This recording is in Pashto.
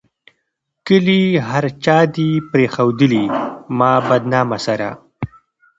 کلي هر چا دې پريښودلي ما بدنامه سره